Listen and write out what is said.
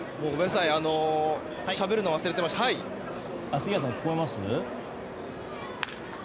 杉谷さん、聞こえます？